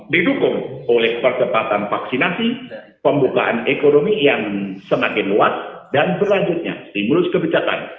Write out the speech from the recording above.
didukung oleh percepatan vaksinasi pembukaan ekonomi yang semakin luas dan berlanjutnya stimulus kebijakan